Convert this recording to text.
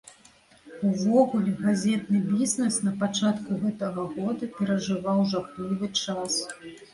Увогуле, газетны бізнес на пачатку гэтага года перажываў жахлівы час.